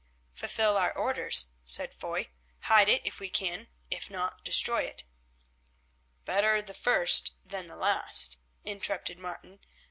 "Fulfil our orders," said Foy. "Hide it if we can; if not, destroy it." "Better the first than the last," interrupted Martin.